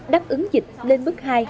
đáp ứng dịch lên bước hai